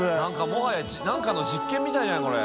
もはや何かの実験みたいだなこれ。）